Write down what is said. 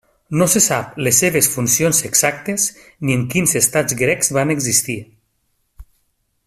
No se sap les seves funcions exactes ni en quins estats grecs van existir.